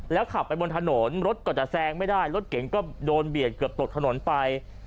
ขับไปบนถนนรถก็จะแซงไม่ได้รถเก่งก็โดนเบียดเกือบตกถนนไป